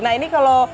nah ini kalau